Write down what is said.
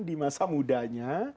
di masa mudanya